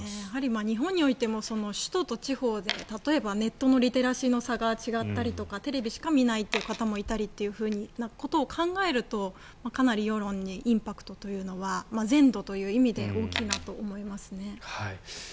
やはり日本においても首都と地方で例えばネットのリテラシーの差が違ったりとかテレビしか見ないという方もいると考えるとかなり世論にインパクトというのは全土という意味で大きなと思いますね。